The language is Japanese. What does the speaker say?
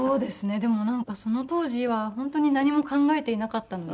でもなんかその当時は本当に何も考えていなかったので。